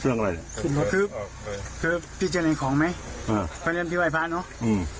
เรื่องอะไรคือคือพี่เจอในของไหมอ่าเพราะฉะนั้นพี่ว่ายภาคเนอะอืม